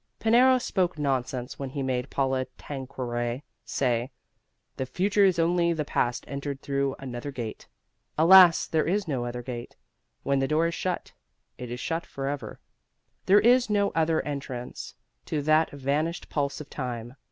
Pinero spoke nonsense when he made Paula Tanqueray say, "The future is only the past entered through another gate." Alas, there is no other gate. When the door is shut, it is shut forever. There is no other entrance to that vanished pulse of time.